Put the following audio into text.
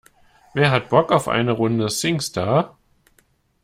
Wer hat Bock auf eine Runde Singstar?